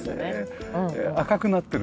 赤くなってる。